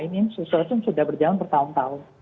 ini sesuatu yang sudah berjalan bertahun tahun